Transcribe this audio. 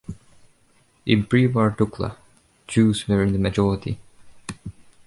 In prewar Dukla, Jews were in the majority.